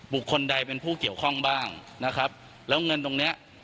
บุคคลใดเป็นผู้เกี่ยวข้องบ้างนะครับแล้วเงินตรงเนี้ย